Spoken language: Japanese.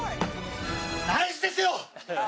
ナイスですよ！